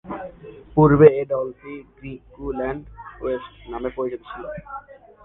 পূর্বে এ দলটি গ্রিকুয়াল্যান্ড ওয়েস্ট নামে পরিচিত ছিল।